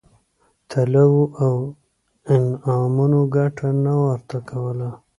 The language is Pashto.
طلاوو او انعامونو ګټه نه ورته کوله.